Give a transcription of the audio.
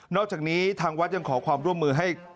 อกจากนี้ทางวัดยังขอความร่วมมือให้